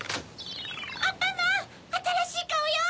アンパンマンあたらしいカオよ！